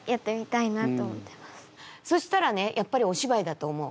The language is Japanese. そしたらねやっぱりお芝居だと思う。